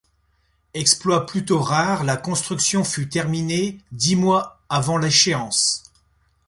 Exploit plutôt rare, la construction fut terminée dix mois avant l'échéance.